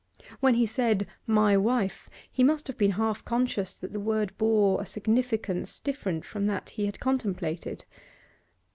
When he said, 'My wife,' he must have been half conscious that the word bore a significance different from that he had contemplated.